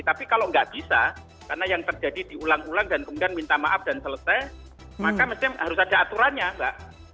tapi kalau nggak bisa karena yang terjadi diulang ulang dan kemudian minta maaf dan selesai maka harus ada aturannya mbak